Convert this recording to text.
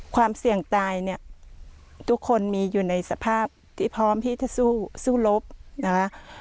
ความเสี่ยงตายเนี่ยทุกคนมีอยู่ในสภาพที่พร้อมที่จะสู้สู้รบนะคะ